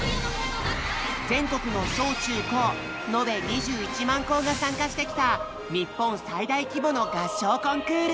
全国の小・中・高のべ２１万校が参加してきた日本最大規模の合唱コンクール！